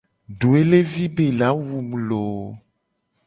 Doelevi be ye la wu mu lo !